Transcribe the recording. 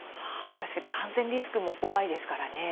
確かに感染リスクも怖いですからね。